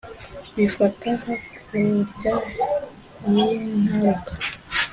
bifata hakurya y’i ntaruka